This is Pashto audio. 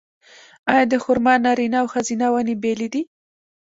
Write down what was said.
آیا د خرما نارینه او ښځینه ونې بیلې دي؟